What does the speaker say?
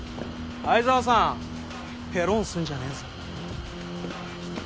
愛沢さんペロンすんじゃねぇぞ。